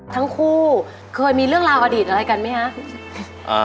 ทั้งคู่เคยมีเรื่องราวอดีตอะไรกันไหมคะ